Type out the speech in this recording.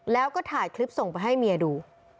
แล้วก็ถ่ายคลิปส่งไปให้เมียดู